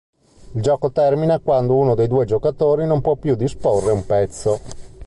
Il gioco termina quando uno dei due giocatori non può più disporre un pezzo.